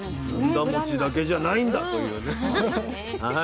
ずんだ餅だけじゃないんだというね。